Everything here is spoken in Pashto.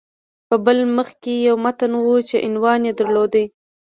په بل مخ کې یو متن و چې عنوان یې درلود